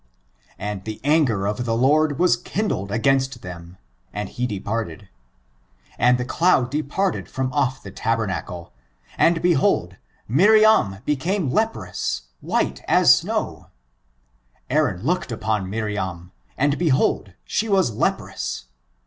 And the anger of the Lord was kindled against them; and he departed. And the cloud departed from off the tabernacle, and behold, Miriam became leprous, white as snow ; Aaron looked upon Miriam, and behold, she was leprous.